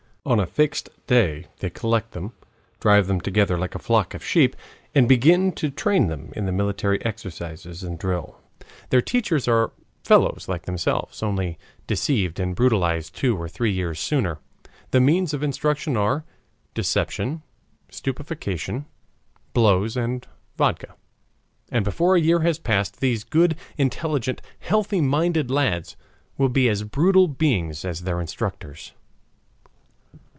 On a fixed day they collect them, drive them together like a flock of sheep, and begin to train them in the military exercises and drill. Their teachers are fellows like themselves, only deceived and brutalized two or three years sooner. The means of instruction are: deception, stupefaction, blows, and vodka. And before a year has passed these good, intelligent, healthy minded lads will be as brutal beings as their instructors.